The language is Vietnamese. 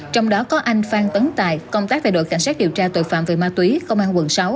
trong đó có anh phan tấn tài công tác về đội cảnh sát điều tra tội phạm về ma túy công an quận sáu